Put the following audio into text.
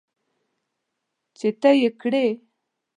چې ته یې کرې .